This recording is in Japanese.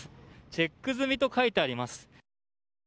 チェック済みと書いてあります。